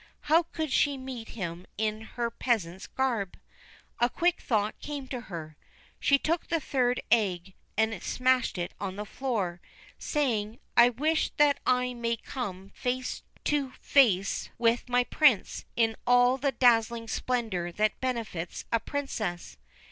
How could she meet him in her peasant's garb? A quick thought came to her. She took the third egg and smashed it on the floor, saying: 'I wish that I may come face to M2 93 THE BLUE BIRD face with my Prince in all the dazzling splendour that befits a princess.'